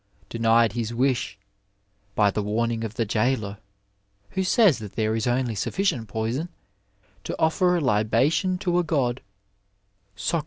Denied his wish (by the warning of the jailor, who says that there is only sufBicient poison) to offer a libation to a god, Socrates' ^ Dialogues, i.